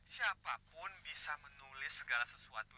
siapapun bisa menulis segala sesuatu